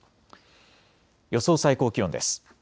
予想最高気温です。